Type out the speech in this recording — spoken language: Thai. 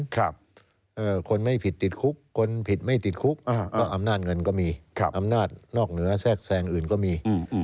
คนไม่ผิดติดคุกคนผิดไม่ติดคุกก็อำนาจเงินก็มีอำนาจนอกเหนือแทรกแทรงอื่นก็มี